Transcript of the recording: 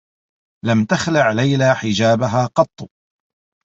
لم تخلع ليلى حجابها قطّ.